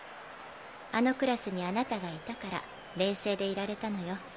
あのクラスにあなたがいたから冷静でいられたのよ。